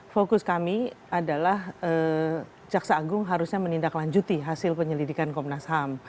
fokus kami adalah jaksa agung harusnya menindaklanjuti hasil penyelidikan komnas ham